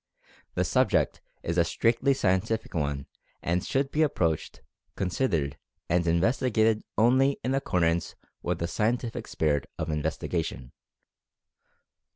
The subject is a strictly scientific one and should be approached, considered and investigated only in accordance with the scientific spirit of investigation.